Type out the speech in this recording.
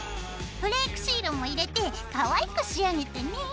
フレークシールも入れてかわいく仕上げてね。